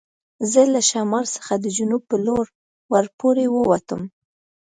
زه له شمال څخه د جنوب په لور ور پورې و وتم.